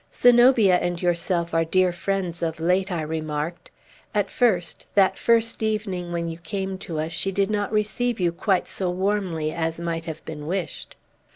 "Zenobia and yourself are dear friends of late," I remarked. "At first, that first evening when you came to us, she did not receive you quite so warmly as might have been wished."